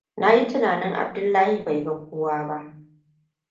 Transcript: Na yi tunanin Abdullahia bai ga kowa ba.